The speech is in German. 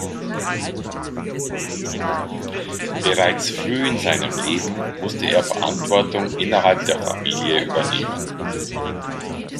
Bereits früh in seinem Leben musste er Verantwortung innerhalb der Familie übernehmen.